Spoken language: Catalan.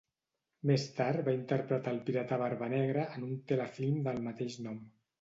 Més tard va interpretar el pirata Barbanegra en un telefilm del mateix nom.